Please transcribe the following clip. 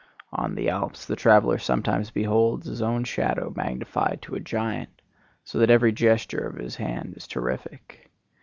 On the Alps the traveller sometimes beholds his own shadow magnified to a giant, so that every gesture of his hand is terrific.